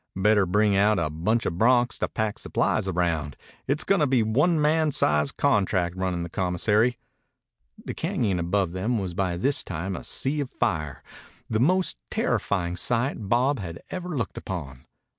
Better bring out a bunch of broncs to pack supplies around. It's goin' to be one man sized contract runnin' the commissary." The cañon above them was by this time a sea of fire, the most terrifying sight Bob had ever looked upon.